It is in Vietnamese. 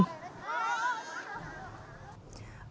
tết dương lịch